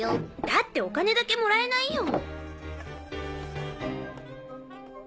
だってお金だけもらえないよ。